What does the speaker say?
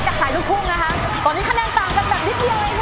และคะแนนที่พี่ภูมิเช่นไหร่